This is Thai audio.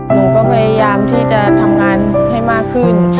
หนูก็พยายามที่จะทำงานให้มากขึ้น